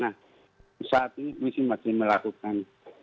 nah saat ini misi masih melakukan